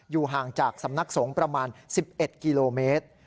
ห่างจากสำนักสงฆ์ประมาณ๑๑กิโลเมตร